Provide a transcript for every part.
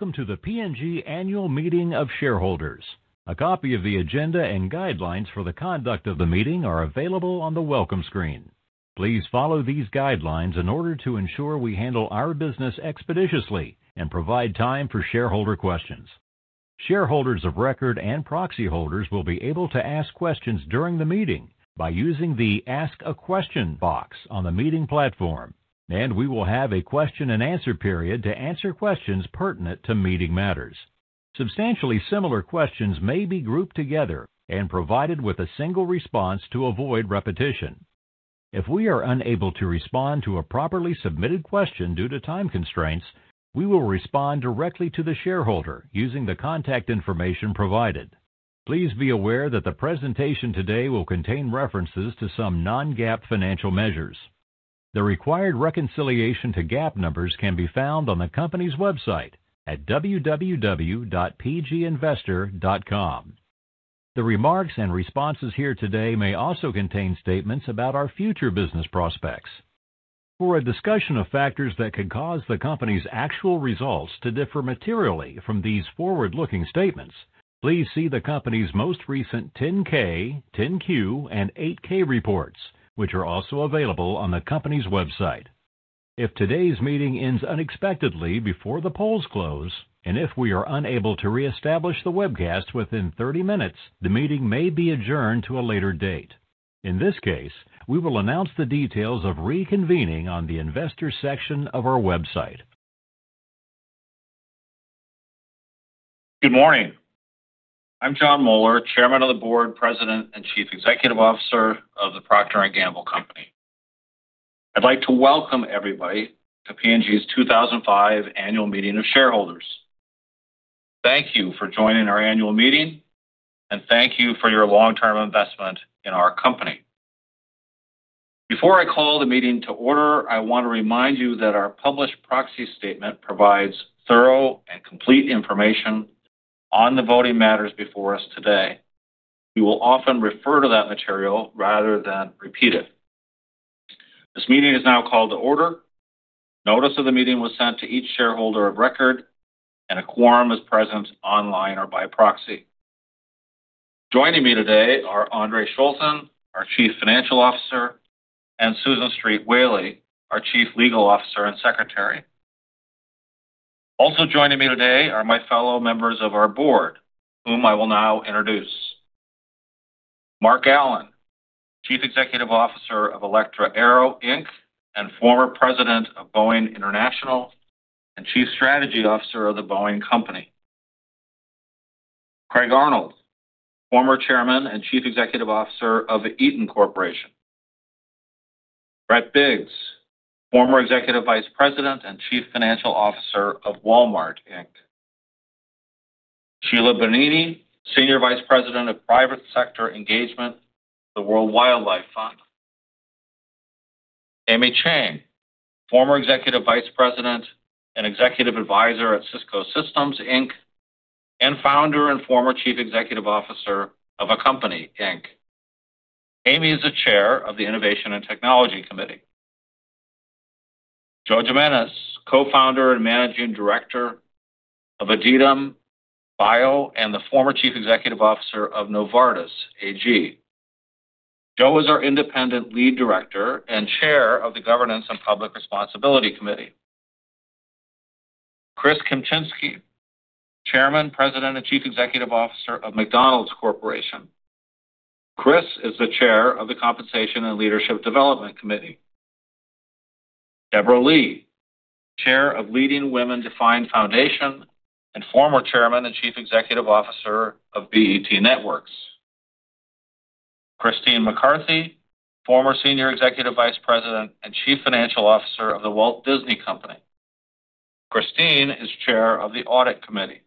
Welcome to the P&G Annual Meeting of Shareholders. A copy of the agenda and guidelines for the conduct of the meeting are available on the welcome screen. Please follow these guidelines in order to ensure we handle our business expeditiously and provide time for shareholder questions. Shareholders of record and proxy holders will be able to ask questions during the meeting by using the Ask A Question box on the meeting platform, and we will have a question and answer period to answer questions pertinent to meeting matters. Substantially similar questions may be grouped together and provided with a single response to avoid repetition. If we are unable to respond to a properly submitted question due to time constraints, we will respond directly to the shareholder using the contact information provided. Please be aware that the presentation today will contain references to some non-GAAP financial measures. The required reconciliation to GAAP numbers can be found on the company's website at www.pginvestor.com. The remarks and responses here today may also contain statements about our future business prospects. For a discussion of factors that could cause the company's actual results to differ materially from these forward-looking statements, please see the company's most recent 10-K, 10-Q, and 8-K reports, which are also available on the company's website. If today's meeting ends unexpectedly before the polls close, and if we are unable to reestablish the webcast within 30 minutes, the meeting may be adjourned to a later date. In this case, we will announce the details of reconvening on the Investors section of our website. Good morning. I'm Jon R. Moeller, Chairman of the Board, President, and Chief Executive Officer of the Procter & Gamble Company. I'd like to welcome everybody to P&G's 2025 Annual Meeting of Shareholders. Thank you for joining our annual meeting and thank you for your long-term investment in our company. Before I call the meeting to order, I want to remind you that our published proxy statement provides thorough and complete information on the voting matters before us today. We will often refer to that material rather than repeat it. This meeting is now called to order. Notice of the meeting was sent to each shareholder of record and a quorum is present online or by proxy. Joining me today are Andre Schulten, our Chief Financial Officer, and Susan Street Whaley, our Chief Legal Officer and Secretary. Also joining me today are my fellow members of our board, whom I will now introduce. B. Marc Allen, Chief Executive Officer of Electra.aero and former President of Boeing International and Chief Strategy Officer of The Boeing Company. Craig Arnold, former Chairman and Chief Executive Officer of Eaton Corporation. Brett Biggs, former Executive Vice President and Chief Financial Officer of Walmart. Sheila Bonini, Senior Vice President of Private Sector Engagement, World Wildlife Fund. Amy Chang, former Executive Vice President and Executive Advisor at Cisco Systems and founder and former Chief Executive Officer of Accompany Inc. Amy is the Chair of the Innovation and Technology Committee. Joe Jimenez, Co-Founder and Managing Director of Aditum Bio and the former Chief Executive Officer of Novartis AG. Joe is our Independent Lead Director and Chair of the Governance and Public Responsibility Committee. Chris Kempczinski, Chairman, President and Chief Executive Officer of McDonald's Corporation. Chris is the Chair of the Compensation and Leadership Development Committee. Debra Lee, Chair of Leading Women Defined Foundation and former Chairman and Chief Executive Officer of BET Networks. Christine McCarthy, former Senior Executive Vice President and Chief Financial Officer of The Walt Disney Company. Christine is Chair of the Audit Committee.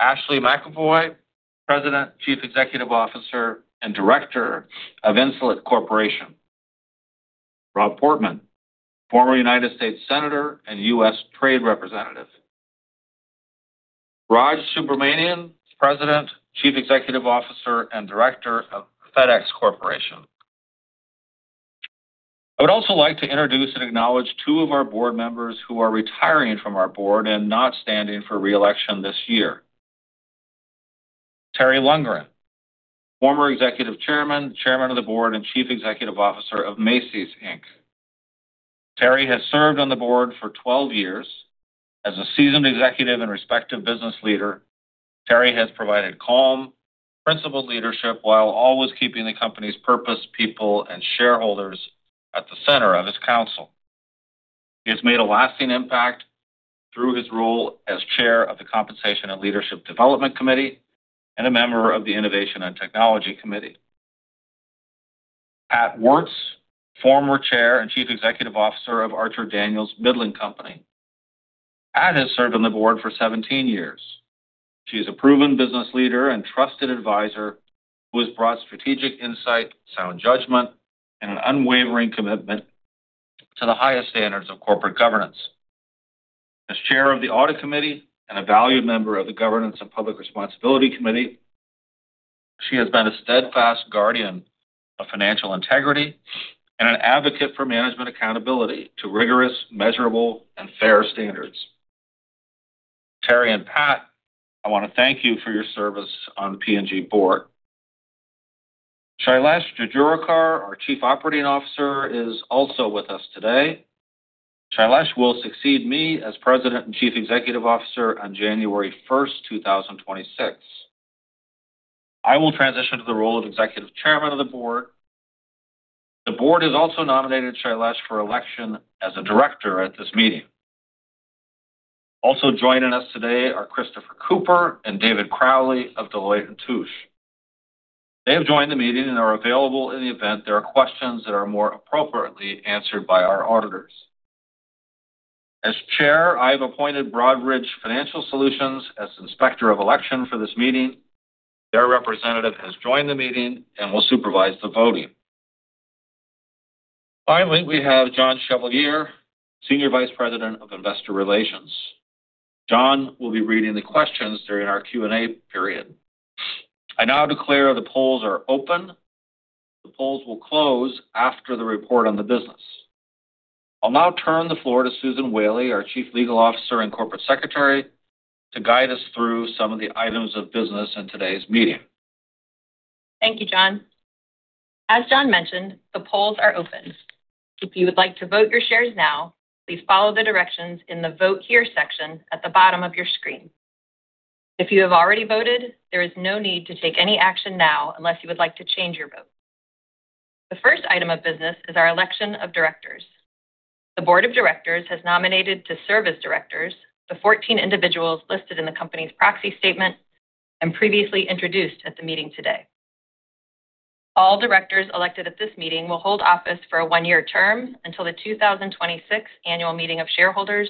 Ashley McEvoy, President, Chief Executive Officer and Director of Insulet Corporation. Rob Portman, former United States Senator and U.S. Trade Representative. Raj Subramaniam, President, Chief Executive Officer and Director of FedEx Corporation. I would also like to introduce and acknowledge two of our board members who are retiring from our board and not standing for re-election this year. Terry Lundgren, former Executive Chairman, Chairman of the Board and Chief Executive Officer of Macy’s. Terry has served on the board for 12 years. As a seasoned executive and respected business leader, Terry has provided calm, principled leadership while always keeping the company's purpose, people and shareholders at the center of his counsel. He has made a lasting impact through his role as Chair of the Compensation and Leadership Development Committee and a member of the Innovation and Technology Committee. Patricia Woertz, former Chair and Chief Executive Officer of Archer Daniels Midland. Pat has served on the board for 17 years. She is a proven business leader and trusted advisor who has brought strategic insight, sound judgment, and an unwavering commitment to the highest standards of corporate governance. As Chair of the Audit Committee and a valued member of the Governance and Public Responsibility Committee, she has been a steadfast guardian of financial integrity and an advocate for management accountability to rigorous, measurable, and fair standards. Terry and Pat, I want to thank you for your service on the P&G Board. Shailesh G. Jejurikar, our Chief Operating Officer, is also with us today. Shailesh will succeed me as President and Chief Executive Officer. On January 1, 2026, I will transition to the role of Executive Chairman of the Board. The Board has also nominated Shailesh for election as a Director at this meeting. Also joining us today are Christopher Cooper and David Crowley of Deloitte & Touche LLP. They have joined the meeting and are available in the event there are questions that are more appropriately answered by our auditors. As Chair, I have appointed Broadridge Financial Solutions as Inspector of Election for this meeting. Their representative has joined the meeting and will supervise the voting. Finally, we have John Chevalier, Senior Vice President of Investor Relations. John will be reading the questions during our Q&A period. I now declare the polls are open. The polls will close after the report on the business. I'll now turn the floor to Susan Street Whaley, our Chief Legal Officer and Corporate Secretary, to guide us through some of the items of business in today's meeting. Thank you, Jon. As Jon mentioned, the polls are open. If you would like to vote your shares now, please follow the directions in the Vote Here section at the bottom of your screen. If you have already voted, there is no need to take any action now unless you would like to change your vote. The first item of business is our election of directors. The Board of Directors has nominated to serve as directors the 14 individuals listed in the company's proxy statement and previously introduced at the meeting today. All directors elected at this meeting will hold office for a one year term until the 2026 Annual Meeting of Shareholders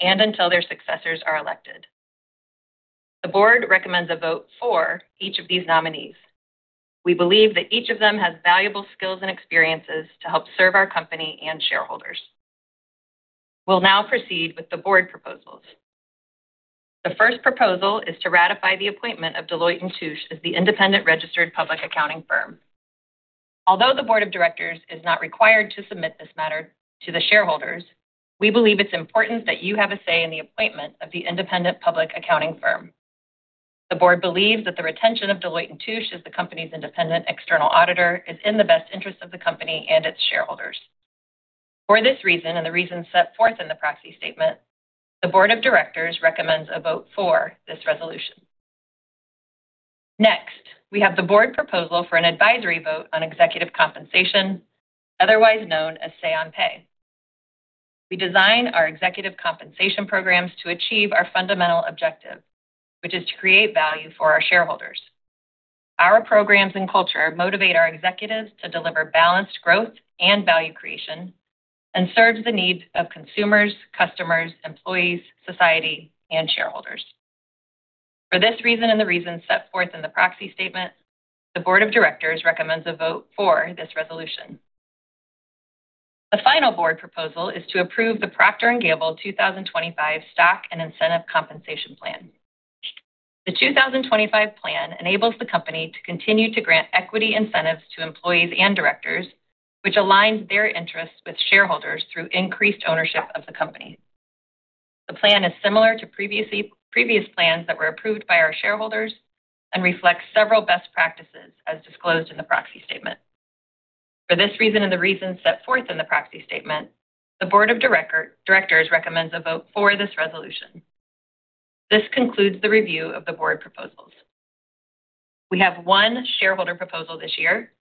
and until their successors are elected. The Board recommends a vote for each of these nominees. We believe that each of them has valuable skills and experiences to help serve our company and shareholders. We'll now proceed with the Board proposals. The first proposal is to ratify the appointment of Deloitte & Touche LLP as the independent registered public accounting firm. Although the Board of Directors is not required to submit this matter to the shareholders, we believe it's important that you have a say in the appointment of the independent public accounting firm. The Board believes that the retention of Deloitte & Touche LLP as the company's independent external auditor is in the best interest of the company and its shareholders. For this reason and the reasons set forth in the proxy statement, the Board of Directors recommends a vote for this resolution. Next, we have the Board proposal for an advisory vote on executive compensation, otherwise known as say on pay. We design our executive compensation programs to achieve our fundamental objective, which is to create value for our shareholders. Our programs and culture motivate our executives to deliver balanced growth and value creation and serve the needs of consumers, customers, employees, society, and shareholders. For this reason and the reasons set forth in the proxy statement, the Board of Directors recommends a vote for this resolution. The final Board proposal is to approve the Procter & Gamble Company 2025 Stock and Incentive Compensation Plan. The 2025 plan enables the company to continue to grant equity incentives to employees and directors, which aligns their interests with shareholders through increased ownership of the company. The plan is similar to previous plans that were approved by our shareholders and reflects several best practices as disclosed in the proxy statement. For this reason and the reasons set forth in the proxy statement, the Board of Directors recommends a vote for this resolution. This concludes the review of the Board proposals. We have one shareholder proposal this year.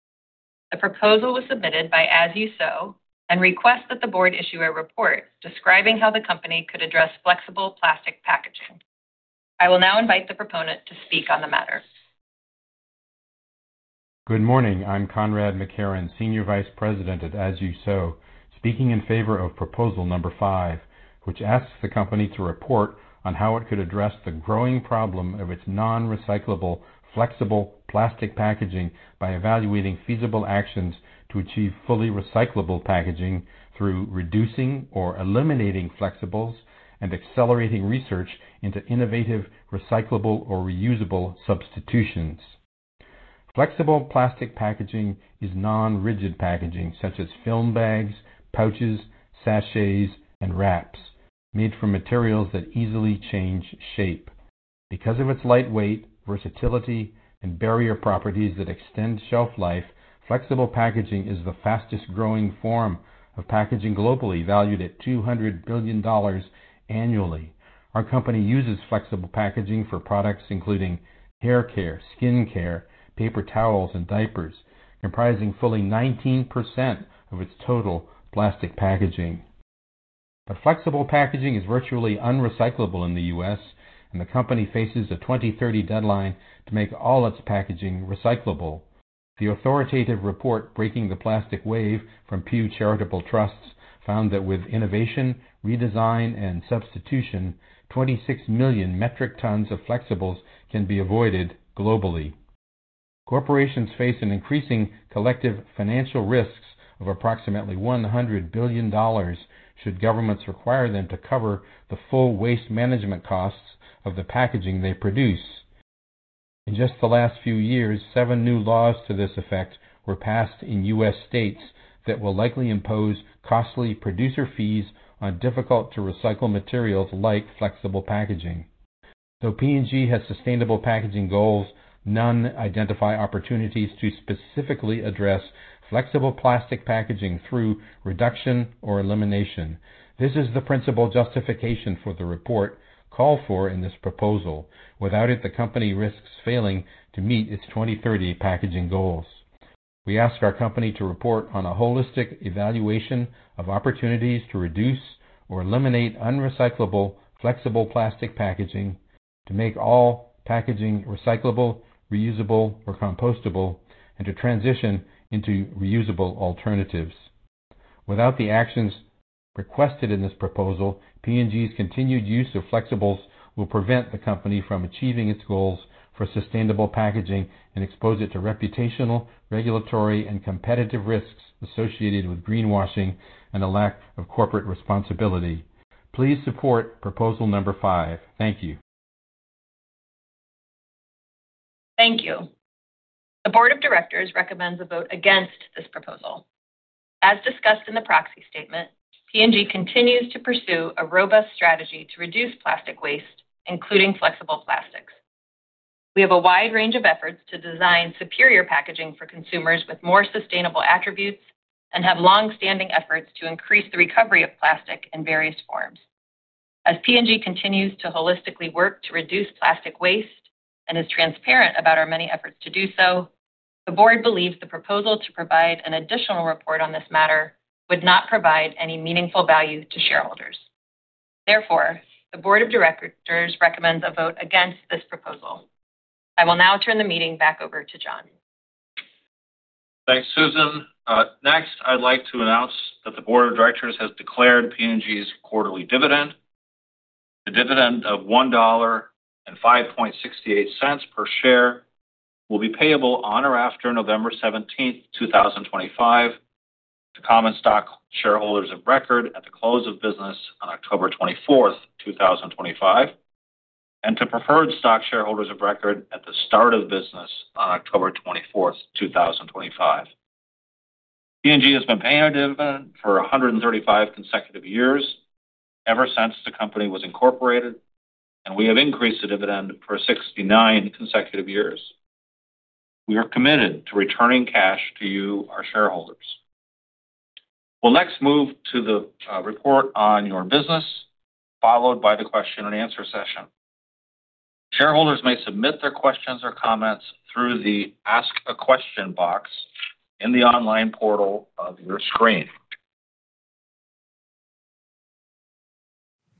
The proposal was submitted by As You Sow and requests that the Board issue a report describing how the company could address flexible plastic packaging. I will now invite the proponent to speak on the matter. Good morning. I'm Conrad MacKerron, Senior Vice President at As You Sow, speaking in favor of proposal number five, which asks the company to report on how it could address the growing problem of its non-recyclable flexible plastic packaging by evaluating feasible actions to achieve fully recyclable packaging through reducing or eliminating flexibles, accelerating research into innovative recyclable or reusable substitutions. Flexible plastic packaging is non-rigid packaging such as film bags, pouches, sachets, and wraps made from materials that easily change shape. Because of its lightweight versatility and barrier properties that extend shelf life, flexible packaging is the fastest growing form of packaging globally, valued at $200 billion annually. Our company uses flexible packaging for products including hair care, skin care, paper towels, and diapers, comprising fully 19% of its total plastic packaging. Flexible packaging is virtually unrecyclable in the U.S., and the company faces a 2030 deadline to make all its packaging recyclable. The authoritative report Breaking the Plastic Wave from Pew Charitable Trusts found that with innovation, redesign, and substitution, 26 million metric tons of flexibles can be avoided. Globally, corporations face increasing collective financial risks of approximately $100 billion should governments require them to cover the full waste management costs of the packaging they produce. In just the last few years, seven new laws to this effect were passed in U.S. states that will likely impose costly producer fees on difficult-to-recycle materials like flexible packaging. Though P&G has sustainable packaging goals, none identify opportunities to specifically address flexible plastic packaging through reduction or elimination. This is the principal justification for the report called for in this proposal. Without it, the company risks failing to meet its 2030 packaging goals. We ask our company to report on a holistic evaluation of opportunities to reduce or eliminate unrecyclable flexible plastic packaging to make all packaging recyclable, reusable, or compostable, and to transition into reusable alternatives. Without the actions requested in this proposal, P&G's continued use of flexibles will prevent the company from achieving its goals for sustainable packaging and expose it to reputational, regulatory, and competitive risks associated with greenwashing and a lack of corporate responsibility. Please support proposal number five. Thank you. Thank you. The Board of Directors recommends a vote against this proposal. As discussed in the proxy statement, P&G continues to pursue a robust strategy to reduce plastic waste, including flexible plastics. We have a wide range of efforts to design superior packaging for consumers with more sustainable attributes and have longstanding efforts to increase the recovery of plastic in various forms. As P&G continues to holistically work to reduce plastic waste and is transparent about our many efforts to do so, we, the Board, believe the proposal to provide an additional report on this matter would not provide any meaningful value to shareholders. Therefore, the Board of Directors recommends a vote against this proposal. I will now turn the meeting back over to Jon. Thanks, Susan. Next, I'd like to announce that the Board of Directors has declared P&G's quarterly dividend. The dividend of $1.0568 per share will be payable on or after November 17, 2025, to common stock shareholders of record at the close of business on October 24, 2025, and to preferred stock shareholders of record at the start of business on October 24, 2025. P&G has been paying our dividend for 135 consecutive years ever since the company was incorporated, and we have increased the dividend for 69 consecutive years. We are committed to returning cash to you, our shareholders. We'll next move to the report on your business followed by the question and answer session. Shareholders may submit their questions or comments through the Ask a Question box in the online portal of your screen.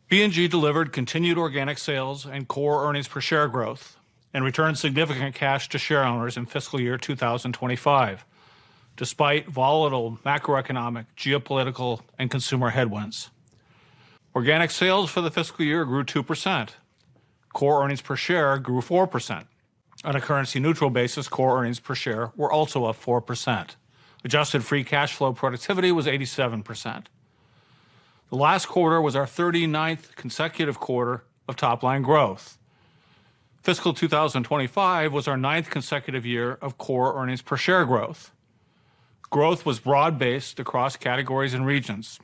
P&G delivered continued organic sales and core earnings per share growth and returned significant cash to shareholders in fiscal year 2025. Despite volatile macroeconomic, geopolitical, and consumer headwinds, organic sales for the fiscal year grew 2%. Core earnings per share grew 4%. On a currency-neutral basis, core earnings per share were also up 4%. Adjusted free cash flow productivity was 87%. The last quarter was our 39th consecutive quarter of top-line growth. Fiscal 2025 was our ninth consecutive year of core earnings per share growth. Growth was broad-based across categories and regions.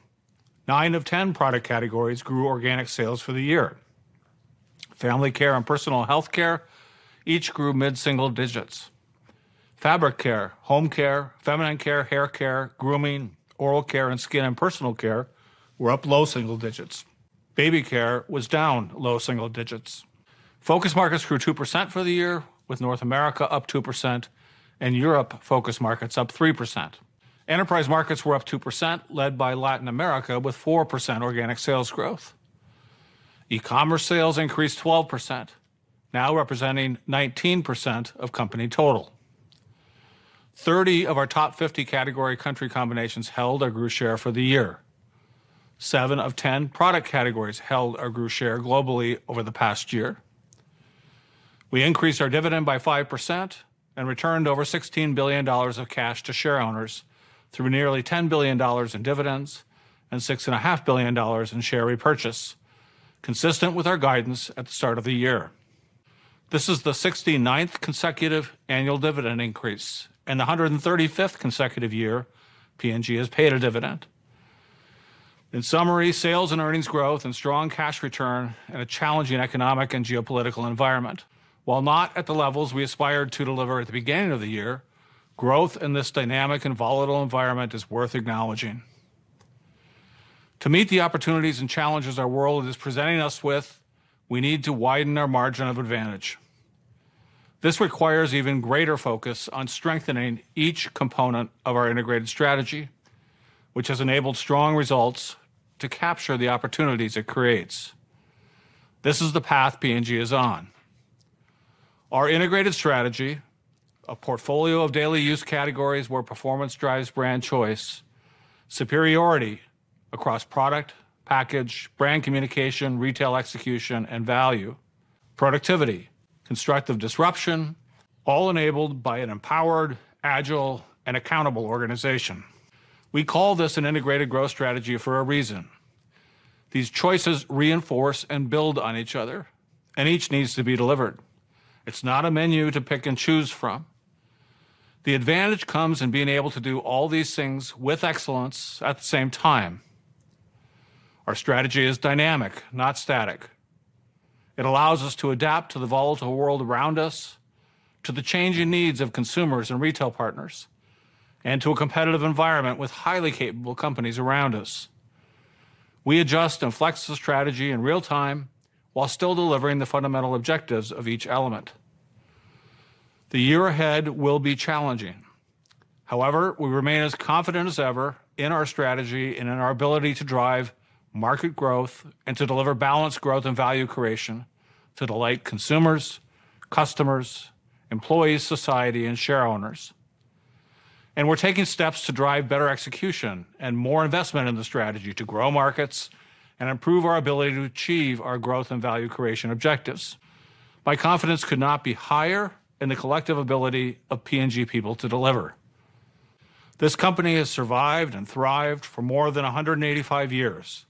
Nine of 10 product categories grew organic sales for the year. Family Care and Personal Health Care each grew mid-single digits. Fabric Care, Home Care, Feminine Care, Hair Care, Grooming, Oral Care, and Skin and Personal Care were up low single digits. Baby Care was down low single digits. Focus markets grew 2% for the year, with North America up 2% and Europe focus markets up 3%. Enterprise markets were up 2%, led by Latin America with 4% organic sales growth. E-commerce sales increased 12%, now representing 19% of company total. Thirty of our top 50 category-country combinations held or grew share for the year. Seven of 10 product categories held or grew share globally over the past year. We increased our dividend by 5% and returned over $16 billion of cash to shareowners through nearly $10 billion in dividends and $6.5 billion in share repurchases. Consistent with our guidance at the start of the year, this is the 69th consecutive annual dividend increase and the 135th consecutive year P&G has paid a dividend. In summary, sales and earnings growth and strong cash return in a challenging economic and geopolitical environment. While not at the levels we aspired to deliver at the beginning of the year, growth in this dynamic and volatile environment is worth acknowledging. To meet the opportunities and challenges our world is presenting us with, we need to widen our margin of advantage. This requires even greater focus on strengthening each component of our integrated strategy, which has enabled strong results to capture the opportunities it creates. This is the path P&G is on. Our integrated strategy: a portfolio of daily use categories where performance drives brand choice, superiority across product, package, brand communication, retail execution, and value, productivity, constructive disruption, all enabled by an empowered, agile, and accountable organization. We call this an integrated growth strategy for a reason. These choices reinforce and build on each other, and each needs to be delivered. It's not a menu to pick and choose from. The advantage comes in being able to do all these things with excellence at the same time. Our strategy is dynamic, not static. It allows us to adapt to the volatile world around us, to the changing needs of consumers and retail partners, and to a competitive environment with highly capable companies around us. We adjust and flex the strategy in real time while still delivering the fundamental objectives of each element. The year ahead will be challenging, however. We remain as confident as ever in our strategy and in our ability to drive market growth and to deliver balanced growth and value creation to delight consumers, customers, employees, society, and share owners. We are taking steps to drive better execution and more investment in the strategy to grow markets and improve our ability to achieve our growth and value creation objectives. My confidence could not be higher in the collective ability of Procter & Gamble people to deliver. This company has survived and thrived for more than 185 years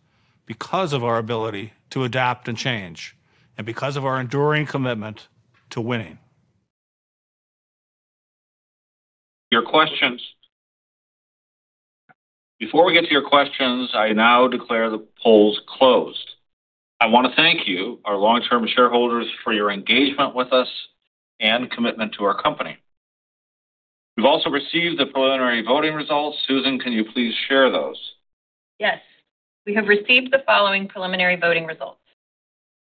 because of our ability to adapt and change and because of our enduring commitment to winning. Your questions. Before we get to your questions, I now declare the polls closed. I want to thank you, our long-term shareholders, for your engagement with us and commitment to our company. We've also received the preliminary voting results. Susan, can you please share those? Yes. We have received the following preliminary voting results.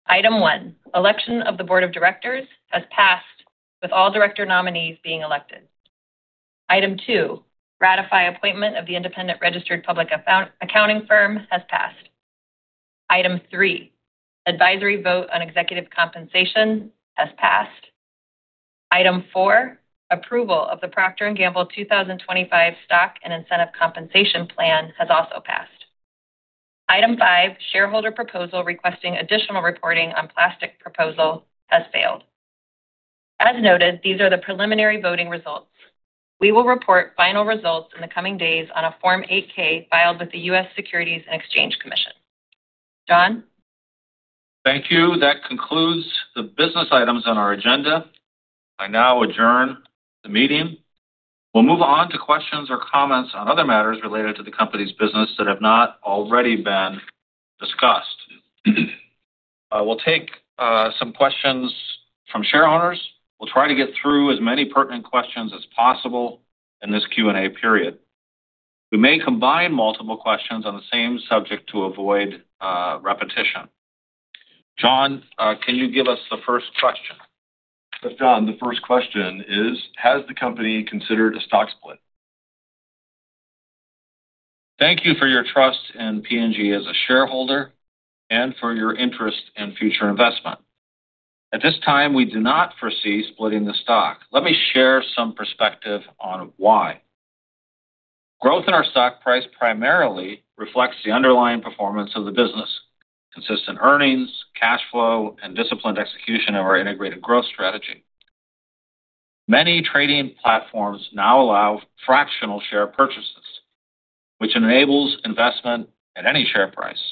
Item one, election of the Board of Directors has passed with all director nominees being elected. Item two, ratify appointment of the independent registered public accounting firm has passed. Item three, advisory vote on executive compensation has passed. Item four, approval of the Procter & Gamble 2025 Stock and Incentive Compensation Plan has also passed. Item five, shareholder proposal requesting additional reporting on plastic proposal has failed as noted. These are the preliminary voting results. We will report final results in the coming days on a Form 8-K filed with the U.S. Securities and Exchange Commission. John, thank you. That concludes the business items on our agenda. I now adjourn the meeting. We'll move on to questions or comments on other matters related to the company's business that have not already been discussed. We'll take some questions from shareowners. We'll try to get through as many pertinent questions as possible in this Q and A period. We may combine multiple questions on the same subject to avoid repetition. John, can you give us the first question? John, the first question is has the company considered a stock split? Thank you for your trust in Procter & Gamble as a shareholder and for your interest in future investment. At this time, we do not foresee splitting the stock. Let me share some perspective on why. Growth in our stock price primarily reflects the underlying performance of the business, consistent earnings, cash flow, and disciplined execution of our integrated growth strategy. Many trading platforms now allow fractional share purchases, which enables investment at any share price.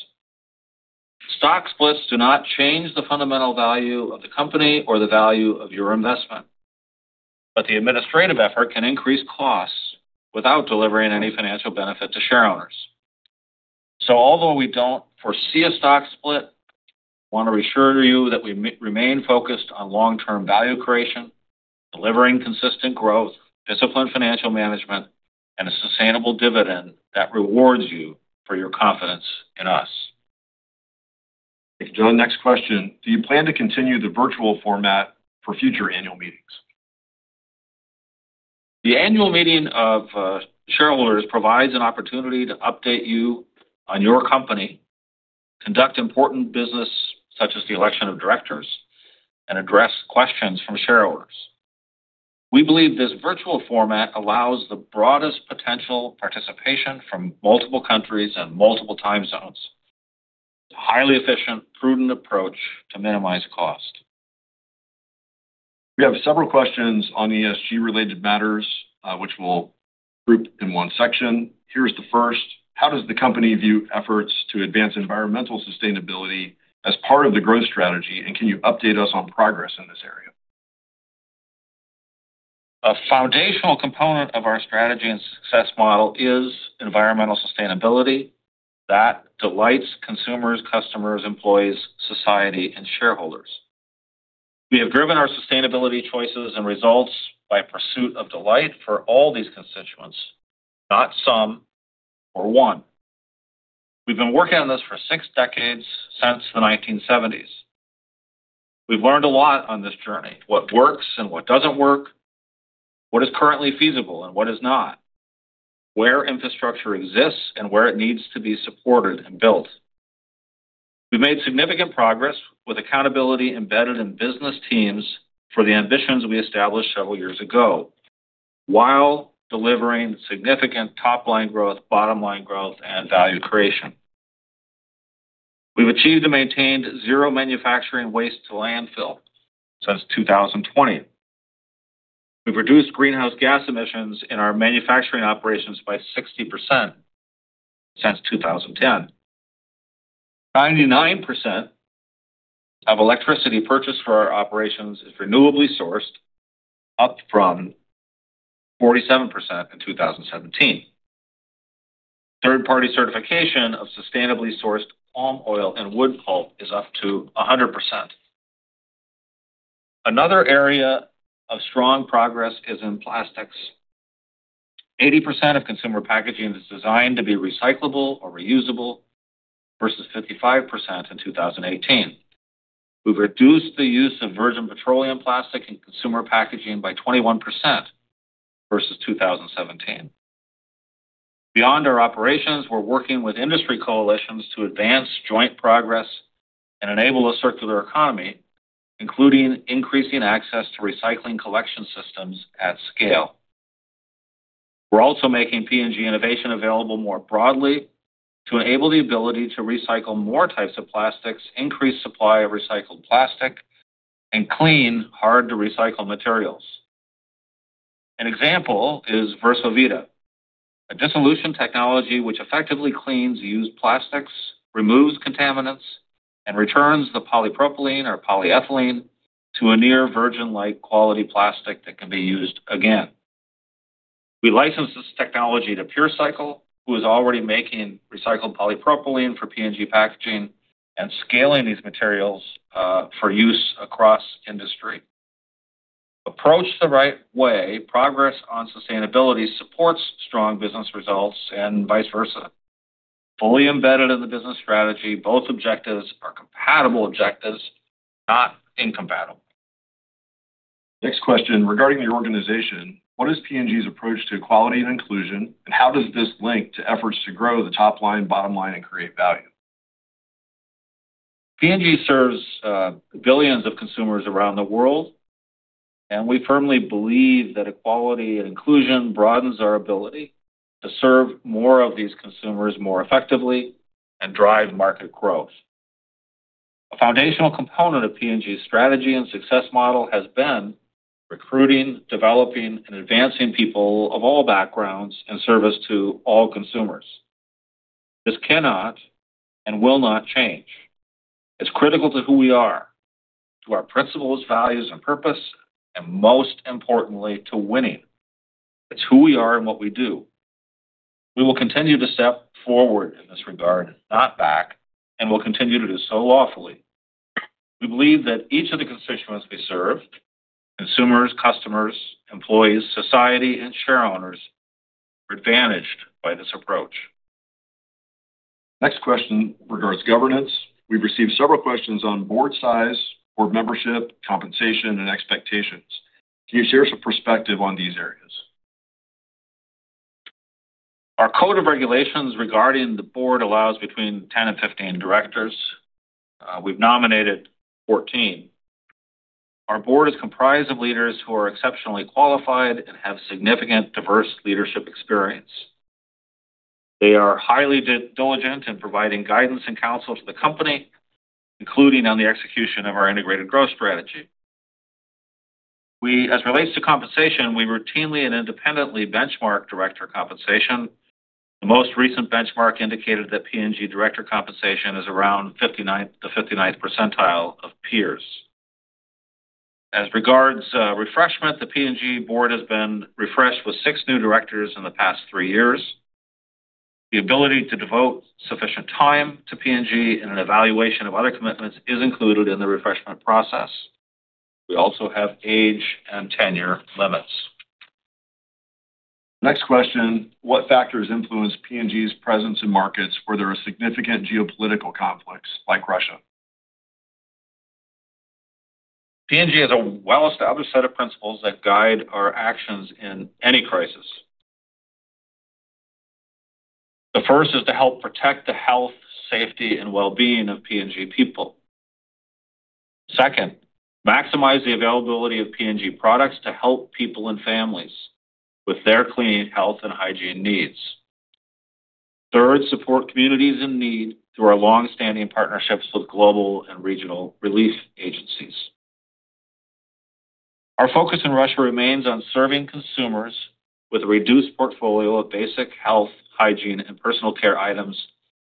Stock splits do not change the fundamental value of the company or the value of your investment, but the administrative effort can increase costs without delivering any financial benefit to shareholders. Although we don't foresee a stock split, I want to reassure you that we remain focused on long-term value creation, delivering consistent growth, disciplined financial management, and a sustainable dividend that rewards you for your confidence in us. John, next question. Do you plan to continue the virtual format for future annual meetings? The annual meeting of shareholders provides an opportunity to update you on your company, conduct important business such as the election of directors, and address questions from shareholders. We believe this virtual format allows the broadest potential participation from multiple countries and multiple time zones. It is a highly efficient, prudent approach to minimize cost. We have several questions on ESG related matters, which we'll group in one section. Here's the first. How does the company view efforts to advance environmental sustainability as part of the growth strategy, and can you update us on progress in this area? A foundational component of our strategy and success model is environmental sustainability that delights consumers, customers, employees, society, and shareholders. We have driven our sustainability choices and results by pursuit of delight for all these constituents, not some or one. We've been working on this for six decades, since the 1970s. We've learned a lot on this journey. What works and what doesn't work, what is currently feasible and what is not, where infrastructure exists and where it needs to be supported and built. We've made significant progress with accountability embedded in business teams for the ambitions we established several years ago while delivering significant top line growth, bottom line growth, and value creation. We've achieved and maintained zero manufacturing waste to landfill since 2020. We've reduced greenhouse gas emissions in our manufacturing operations by 60% since 2010. 99% of electricity purchased for our operations is renewably sourced, up from 47% in 2017. Third-party certification of sustainably sourced palm oil and wood pulp is up to 100%. Another area of strong progress is in plastics. 80% of consumer packaging is designed to be recyclable or reusable versus 55% in 2018. We've reduced the use of virgin petroleum plastic in consumer packaging by 21% versus 2017. Beyond our operations, we're working with industry coalitions to advance joint progress and enable a circular economy, including increasing access to recycling collection systems at scale. We're also making P&G innovation available more broadly to enable the ability to recycle more types of plastics, increase supply of recycled plastic, and clean hard-to-recycle materials. An example is Versovita, a dissolution technology which effectively cleans used plastics, removes contaminants, and returns the polypropylene or polyethylene to a near-virgin-like quality plastic that can be used again. We license this technology to PureCycle, who is already making recycled polypropylene for P&G packaging and scaling these materials for use across industry. Approached the right way, progress on sustainability supports strong business results and vice versa, fully embedded in the business strategy. Both objectives are compatible objectives, not incompatible. Next question regarding the organization: what is P&G's approach to equality and inclusion and how does this link to efforts to grow the top line, bottom line, and create value? P&G serves billions of consumers around the world and we firmly believe that equality and inclusion broadens our ability to serve more of these consumers more effectively and drive market growth. A foundational component of P&G's strategy and success model has been recruiting, developing, and advancing people of all backgrounds in service to all consumers. This cannot and will not change. It's critical to who we are, to our principles, values, and purpose, and most importantly, to winning. It's who we are and what we do. We will continue to step forward in this regard, not back, and will continue to do so lawfully. We believe that each of the constituents we serve—consumers, customers, employees, society, and share owners—are advantaged by this approach. Next question. Regarding governance, we've received several questions on board size, board membership, compensation, and expectations. Can you share some perspective on these areas? Our Code of Regulations regarding the board allows between 10 and 15 directors. We've nominated 14. Our board is comprised of leaders who are exceptionally qualified and have significant, diverse leadership experience. They are highly diligent in providing guidance and counsel to the company, including on the execution of our integrated growth strategy. As it relates to compensation, we routinely and independently benchmark director compensation. The most recent benchmark indicated that P&G director compensation is around the 59th percentile of peers. As regards refreshment, the P&G board has been refreshed with six new directors in the past three years. The ability to devote sufficient time to P&G and an evaluation of other commitments is included in the refreshment process. We also have age and tenure limits. Next question. What factors influence P&G's presence in markets where there are significant geopolitical conflicts like Russia? P&G has a well-established set of principles that guide our actions in any crisis. The first is to help protect the health, safety, and well-being of P&G people. Second, maximize the availability of P&G products to help people and families with their clean health and hygiene needs. Third, support communities in need through our long-standing partnerships with global and regional relief agencies. Our focus in Russia remains on serving consumers with a reduced portfolio of basic health, hygiene, and personal care items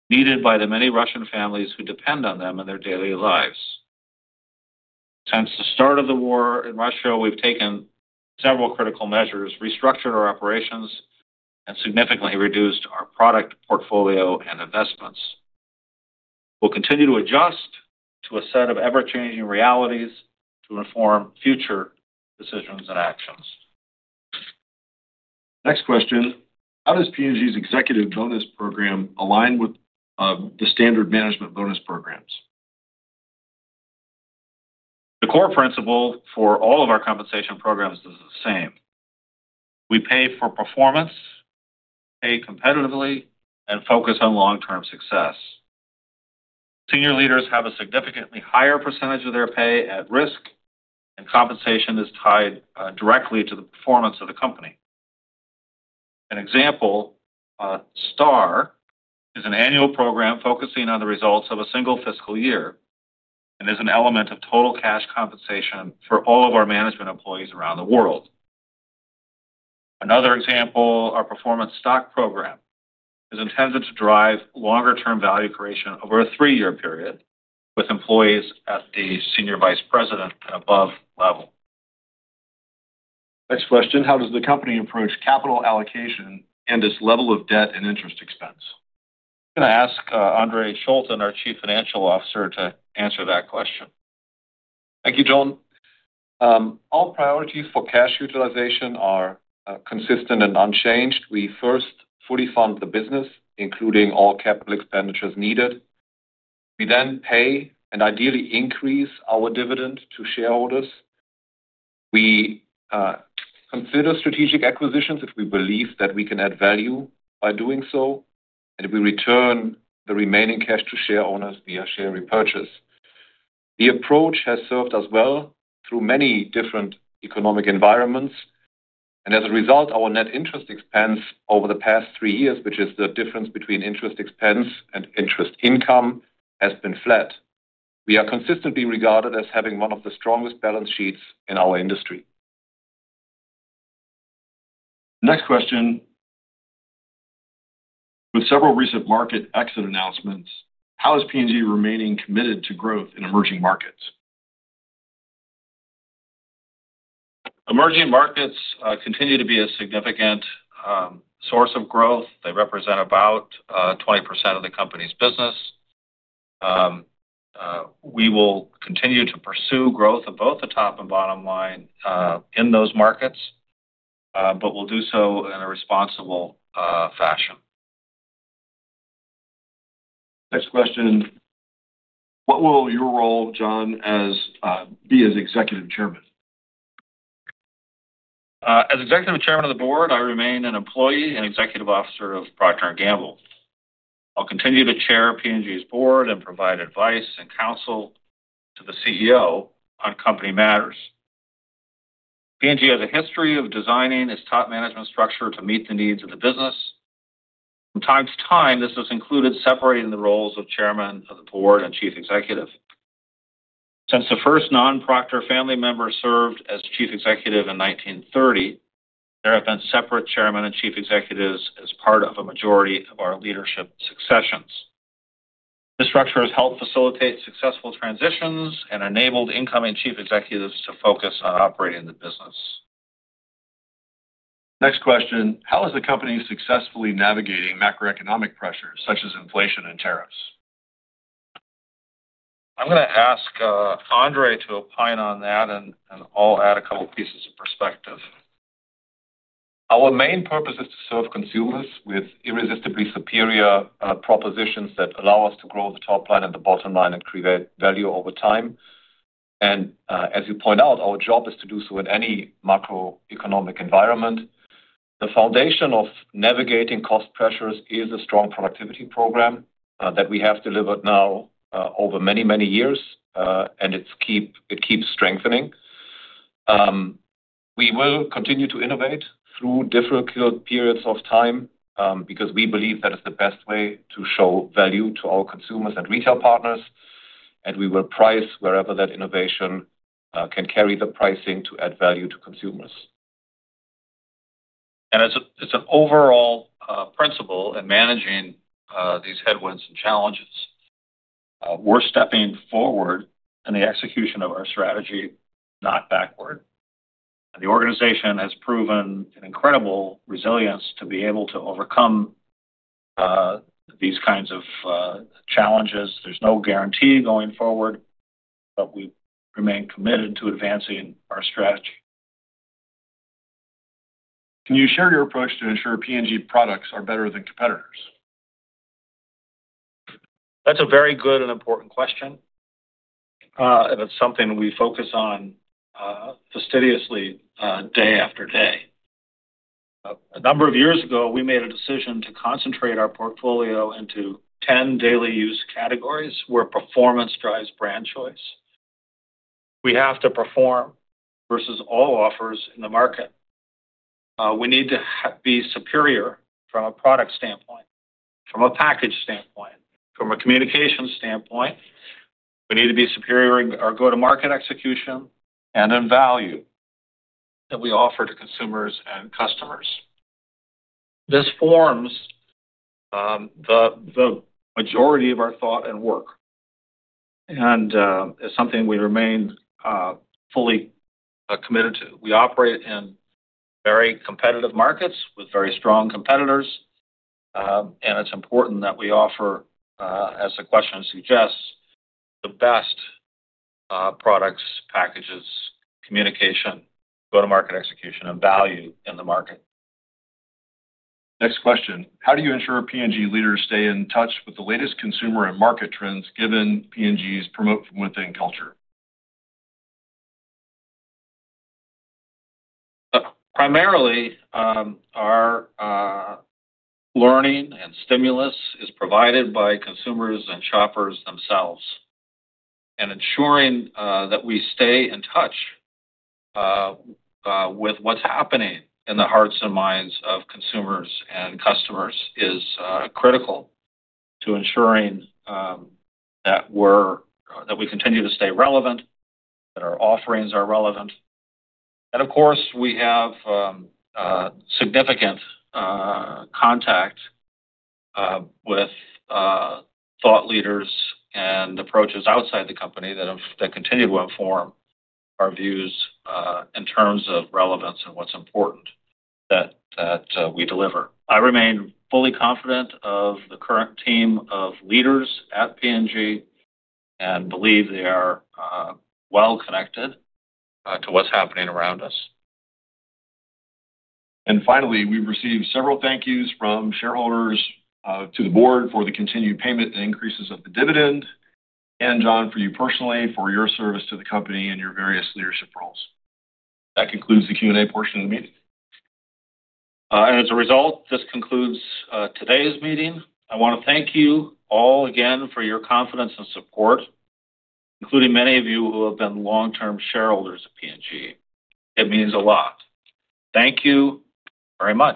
needed by the many Russian families who depend on them in their daily lives. Since the start of the war in Russia, we've taken several critical measures, restructured our operations, and significantly reduced our product portfolio and investments. We'll continue to adjust to a set of ever-changing realities to inform future decisions and actions. Next question. How does P&G's executive bonus program align with the standard management bonus programs? The core principle for all of our compensation programs is the same. We pay for performance, pay competitively, and focus on long-term success. Senior leaders have a significantly higher percentage of their pay at risk, and compensation is tied directly to the performance of the company. An example, STAR is an annual program focusing on the results of a single fiscal year and is an element of total cash compensation for all of our management employees around the world. Another example, our performance stock program is intended to drive longer-term value creation over a three-year period with employees at the Senior Vice President and above level. Next question. How does the company approach capital allocation and its level of debt and interest expense? Can I ask Andre Schulten, our Chief Financial Officer, to answer that question? Thank you, Jon. Our priorities for cash utilization are consistent and unchanged. We first fully fund the business, including all capital expenditures needed. We then pay and ideally increase our dividend to shareholders. We consider strategic acquisitions if we believe that we can add value by doing so, and we return the remaining cash to share owners via share repurchase. The approach has served us well through many different economic environments, and as a result, our net interest expense over the past three years, which is the difference between interest expense and interest income, has been flat. We are consistently regarded as having one of the strongest balance sheets in our industry. Next question. With several recent market exit announcements, how is P&G remaining committed to growth in emerging markets? Emerging markets continue to be a significant source of growth. They represent about 20% of the company's business. We will continue to pursue growth of both the top and bottom line in those markets, but we'll do so in a responsible fashion. Next question. What will your role, Jon, be as Executive Chairman? As Executive Chairman of the Board, I remain an employee and executive officer of Procter & Gamble. I'll continue to chair P&G's Board and provide advice and counsel to the CEO on company matters. P&G has a history of designing its top management structure to meet the needs of the business. From time to time, this has included separating the roles of Chairman of the Board and Chief Executive. Since the first non-Procter family member served as Chief Executive in 1930, there have been separate Chairman and Chief Executives as part of a majority of our leadership successions. This structure has helped facilitate successful transitions and enabled incoming Chief Executives to focus on operating the business. Next question. How is the company successfully navigating macroeconomic pressures such as inflation and tariffs? I'm going to ask Andre Schulten to opine on that, and I'll add a couple of pieces of perspective. Our main purpose is to serve consumers with irresistibly superior propositions that allow us to grow the top line and the bottom line and create value over time. As you point out, our job is to do so in any macroeconomic environment. The foundation of navigating cost pressures is a strong productivity program that we have delivered now over many, many years, and it keeps strengthening. We will continue to innovate through difficult periods of time because we believe that is the best way to show value to our consumers and retail partners, and we will price wherever that innovation can carry the pricing to add value to consumers. It's an overall principle in managing these headwinds and challenges. We're stepping forward in the execution of our strategy, not backward. The organization has proven an incredible resilience to be able to overcome these kinds of challenges. There's no guarantee going forward, but we remain committed to advancing our strategy. Can you share your approach to ensure P&G products are better than competitors? That's a very good and important question, and it's something we focus on fastidiously day after day. A number of years ago, we made a decision to concentrate our portfolio into 10 daily use categories where performance drives brand choice. We have to perform versus all offers in the market. We need to be superior from a product standpoint, from a package standpoint, from a communication standpoint. We need to be superior in our go-to-market execution and in value that we offer to consumers and customers. This forms the majority of our thought and work, and it's something we remain fully committed to. We operate in very competitive markets with very strong competitors, and it's important that we offer, as the question suggests, the best products, packages, communication, go-to-market execution, and value in the market. Next question. How do you ensure P&G leaders stay in touch with the latest consumer and market trends given P&G's promote-from-within culture? Primarily, our learning and stimulus is provided by consumers and shoppers themselves. Ensuring that we stay in touch with what's happening in the hearts and minds of consumers and customers is critical to ensuring that we continue to stay relevant, that our offerings are relevant. We have significant contact with thought leaders and approaches outside the company that continue to inform our views in terms of relevance and what's important that we deliver. I remain fully confident of the current team of leaders at P&G and believe they are well connected to what's happening around us. Finally, we've received several thank yous from shareholders to the board for the continued payment and increases of the dividend, and Jon, for you personally, for your service to the company and your various leadership roles. That concludes the Q&A portion of the meeting, and as a result, this concludes today's meeting. I want to thank you all again for your confidence and support, including many of you who have been long-term shareholders of P&G. It means a lot. Thank you very much.